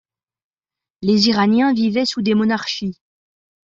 Les Iraniens vivaient sous des monarchies.